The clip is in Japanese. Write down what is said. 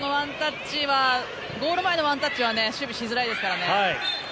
ゴール前のワンタッチは守備しづらいですからね。